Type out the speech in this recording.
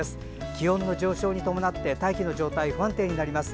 気温の上昇に伴って大気の状態が不安定になります。